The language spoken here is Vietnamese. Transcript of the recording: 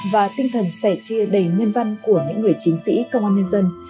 và tinh thần sẻ chia đầy nhân văn của những người chiến sĩ công an nhân dân